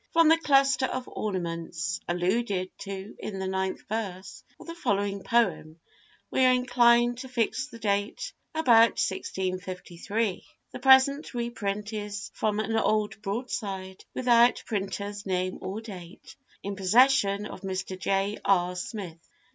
[FROM the cluster of 'ornaments' alluded to in the ninth verse of the following poem, we are inclined to fix the date about 1653. The present reprint is from an old broadside, without printer's name or date, in possession of Mr. J. R. Smith.